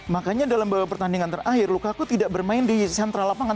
makanya dalam pertandingan terakhir lukaku tidak bermain di sentralapangan